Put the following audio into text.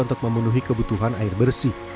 untuk memenuhi kebutuhan air bersih